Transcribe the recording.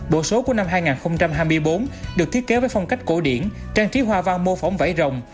bộ số của năm hai nghìn hai mươi bốn được thiết kế với phong cách cổ điển trang trí hoa văn mô phỏng vải rồng